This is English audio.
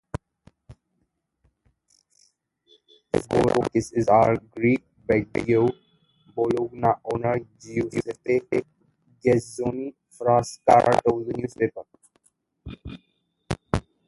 "Zagorakis is our Greek Baggio," Bologna owner Giuseppe Gazzoni Frascara told the newspaper.